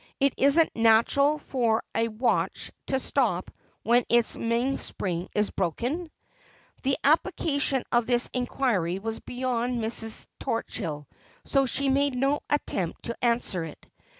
' Isn't it natural for a watch to stop when its mainspring is broken ?' The application of this inquiry was beyond Mrs. Turchill, so she made no attempt to answer it.